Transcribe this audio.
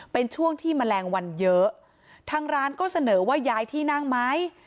เป็นช่วงที่แมลงวันเยอะทางร้านก็เสนอว่าย้ายที่นั่งไหม